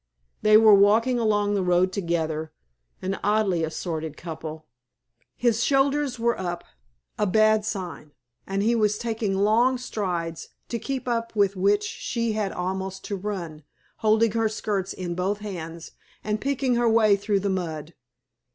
They were walking along the road together an oddly assorted couple. His shoulders were up a bad sign and he was taking long strides, to keep up with which she had almost to run, holding her skirts in both hands, and picking her way through the mud.